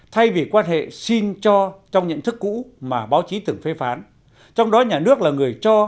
thay vì quan hệ xin cho trong nhận thức cũ mà báo chí từng phê phán trong đó nhà nước là người cho